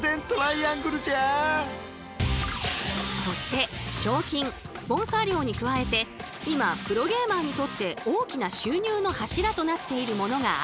そして賞金スポンサー料に加えて今プロゲーマーにとって大きな収入の柱となっているものがあるというのですが。